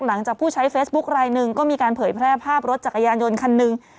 หลังจากผู้ใช้เฟซบุ๊คลายหนึ่งก็มีการเผยแพร่ภาพรถจักรยานยนต์คันหนึ่ง